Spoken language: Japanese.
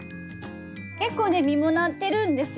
結構ね実もなってるんですよ。